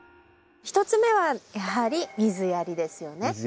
１つ目はやはり水やりですよね。